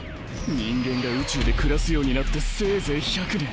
人間が宇宙で暮らすようになってせいぜい１００年。